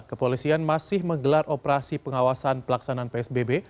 kepolisian masih menggelar operasi pengawasan pelaksanaan psbb